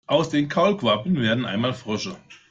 Aus den Kaulquappen werden einmal Frösche.